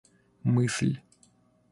мысль